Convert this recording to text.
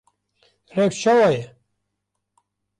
Rewş çawa ye?